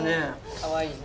かわいいね。